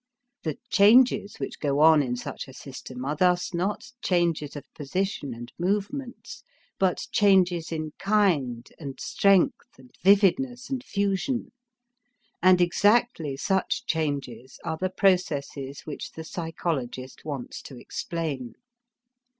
The changes which go on in such a system are thus not changes of position and movements, but changes in kind and strength and vividness and fusion; and exactly such changes are the processes which the psychologist wants to explain.